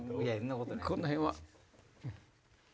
この辺は。